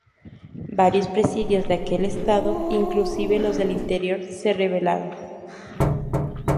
Varios presidios de aquel estado, inclusive los del interior se rebelaron.